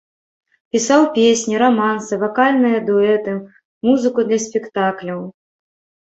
Пісаў песні, рамансы, вакальныя дуэты, музыку для спектакляў.